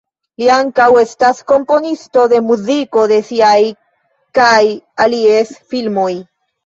Li ankaŭ estas komponisto de muziko de siaj kaj alies filmoj.